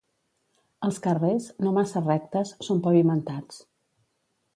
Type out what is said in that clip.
Els carrers, no massa rectes, són pavimentats.